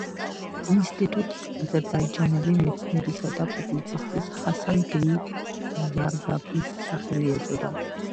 ინსტიტუტს აზერბაიჯანელი მეცნიერისა და პუბლიცისტის, ჰასან ბეი ზარდაბის სახელი ეწოდა.